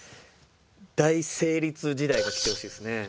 大成立時代が来てほしいですね。